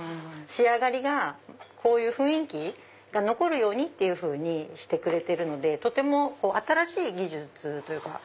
仕上がりがこういう雰囲気が残るようにしてくれてるのでとても新しい技術というか。